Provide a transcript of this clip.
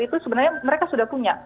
itu sebenarnya mereka sudah punya